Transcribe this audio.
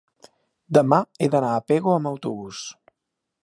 Demà he d'anar a Pego amb autobús.